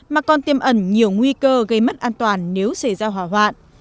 mà còn tiêm ẩn nhiều nguy cơ gây mất an toàn nếu xảy ra hỏa hoạn